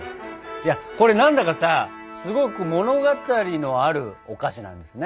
いやこれ何だかさすごく物語のあるお菓子なんですね。